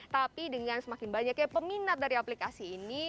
tapi dengan semakin banyaknya peminat dari aplikasi ini